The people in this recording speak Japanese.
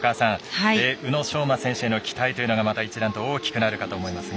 宇野昌磨選手への期待というのがまた一段と大きくなるかと思いますが。